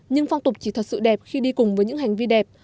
nhưng phong tục chỉ thật sự đẹp khi đi cùng với những hành vi đẹp